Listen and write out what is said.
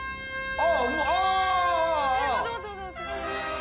あ！